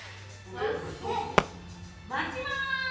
そして待ちます。